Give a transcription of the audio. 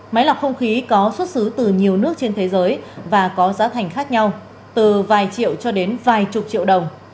máy lọc không khí có xuất xứ từ nhiều nước trên thế giới và có giá thành khác nhau từ vài triệu cho đến vài chục triệu đồng